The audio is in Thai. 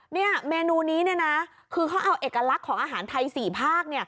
เนี่ยเมนูนี้นะคือเขาเอาเอกลักษณ์ของอาหารไทย๔ภาค